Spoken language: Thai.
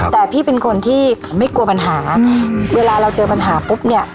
แต่พี่เป็นคนที่ไม่กลัวปัญหาเวลาเราเจอปัญหาปุ๊บเนี่ย